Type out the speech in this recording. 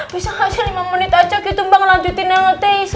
bisa ga aja lima menit aja gitu mbak lanjutin yang ngete